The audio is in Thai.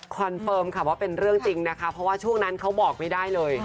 เฟิร์มค่ะว่าเป็นเรื่องจริงนะคะเพราะว่าช่วงนั้นเขาบอกไม่ได้เลย